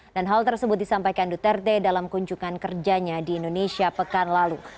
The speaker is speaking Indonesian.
dan hal tersebut disampaikan duterte dalam kuncukan kerjanya di indonesia pekan lalu